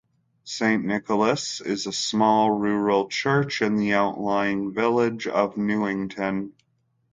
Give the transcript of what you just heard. Saint Nicholas is a small rural church in the outlying village of Newington.